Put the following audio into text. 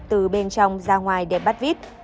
từ bên trong ra ngoài để bắt vít